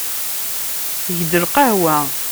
Eg-d lqahwa.